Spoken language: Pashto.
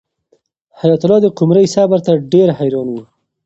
حیات الله د قمرۍ صبر ته ډېر حیران و.